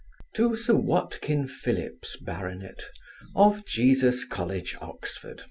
To Sir WATKIN PHILLIPS, Bart. of Jesus college, Oxon.